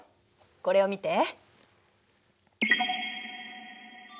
これを見て。